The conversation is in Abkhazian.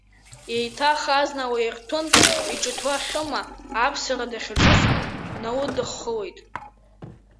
Еиҭах азна лаирҭәын, иҿыҭуа Хьыма аԥссара дахьаҿыз дналыдыххылеит.